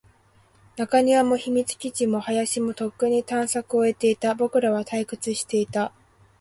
中庭も、秘密基地も、林も、とっくに探索を終えていた。僕らは退屈していた。